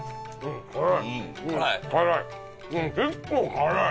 辛い！